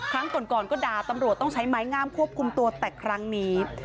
ครั้งก่อนก็ด่าตำรวจต้องใช้ไม้งามควบคุมตัวแต่ครั้งนี้